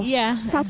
iya satu jam